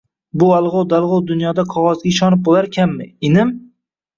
– Bu alg‘ov-dalg‘ov dunyoda qog‘ozga ishonib bo‘larkanmi, inim?